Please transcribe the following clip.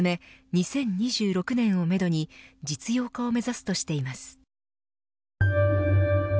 ２０２６年をめどに実用化を目指すとしています。